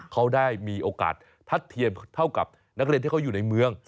เขาได้มีโอกาสทัดเทียมเท่ากับนักเรียนที่เขาอยู่ในเมือง